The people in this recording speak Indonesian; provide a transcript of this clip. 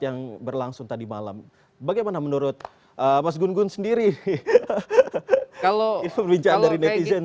yang berlangsung tadi malam bagaimana menurut mas gun gun sendiri kalau itu perbincangan dari netizen